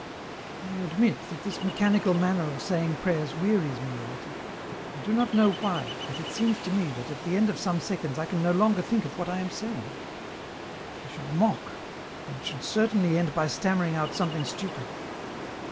" I admit that this mechanical manner of saying prayers wearies me a little ; I do not know why, but it seems to me that at the end of some seconds I can no longer think of what I am saying ; I should mock, and should certainly end by stammering out something stupid."